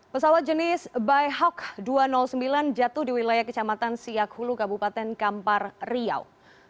pesawat jenis bayhawk dua ratus sembilan jatuh di wilayah kecamatan siakulu kabupaten kampar riau